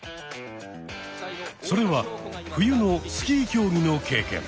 それは冬のスキー競技の経験。